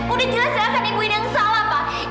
udah jelas silahkan ibu ini yang salah pak